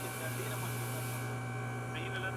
هغه زهري ګولۍ خوري او ژوند ختموي.